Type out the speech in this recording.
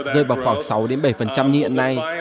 rơi vào khoảng sáu bảy như hiện nay